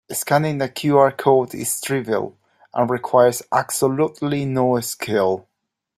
Scanning a QR code is trivial and requires absolutely no skill.